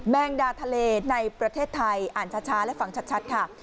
แมงดาทะเลในประเทศไทยอ่านช้าและฟังชัดค่ะ